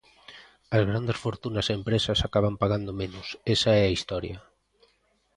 As grandes fortunas e empresas acaban pagando menos, esa é a historia.